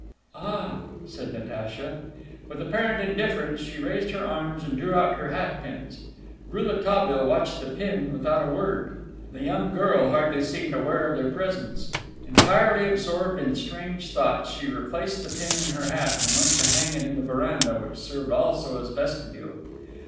"Ah," said Natacha. With apparent indifference, she raised her arms and drew out her hat pins. Rouletabille watched the pin without a word. The young girl hardly seemed aware of their presence. Entirely absorbed in strange thoughts, she replaced the pin in her hat and went to hang it in the veranda, which served also as vestibule.